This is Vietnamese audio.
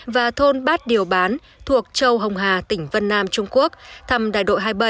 và thôn bát điều bán thuộc châu hồng hà tỉnh vân nam trung quốc thăm đại đội hai mươi bảy